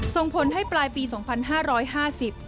ส่งผลให้ปลายปี๒๕๕๐